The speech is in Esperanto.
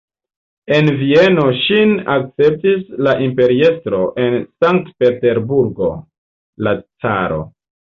En Vieno ŝin akceptis la imperiestro, en Sankt-Peterburgo la caro.